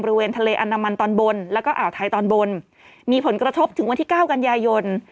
บริเวณทะเลอันดามันตอนบนแล้วก็อ่าวไทยตอนบนมีผลกระทบถึงวันที่เก้ากันยายน